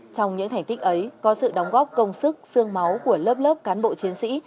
trong những thành tích ấy có sự đóng góp công sức sương máu của lớp lớp cán bộ chiến sĩ